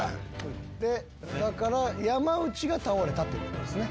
だから山内が倒れたということですね。